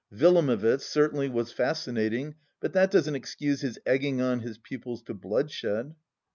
Willamowitz certainly was fascinating ... but that doesn't excuse his egging on his pupils to bloodshed.